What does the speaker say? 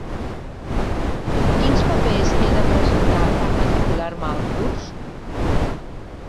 Quins papers he de presentar per matricular-me al curs?